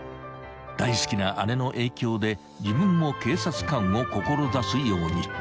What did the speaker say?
［大好きな姉の影響で自分も警察官を志すように］